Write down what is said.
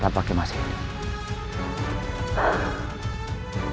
tanpa kemasih hidup